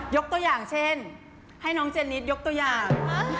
ยกตัวอย่างเช่นให้น้องเจนนิสยกตัวอย่าง